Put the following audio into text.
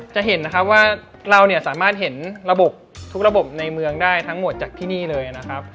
จะเห็นนะครับว่าเราเนี่ยสามารถเห็นระบบทุกระบบในเมืองได้ทั้งหมดจากที่นี่เลยนะครับ